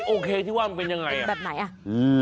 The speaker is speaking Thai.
โอเคที่ว่ามันเป็นอย่างไรแบบไหน